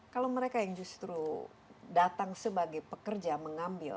kalau mereka yang justru datang sebagai pekerja mengambil